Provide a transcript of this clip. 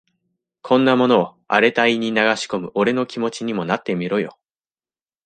こんなものを荒れた胃に流し込む俺の気持ちにもなってみろよ。